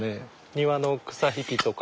庭の草引きとか。